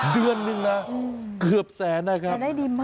เดือนหนึ่งนะเกือบแสนน่ะครับ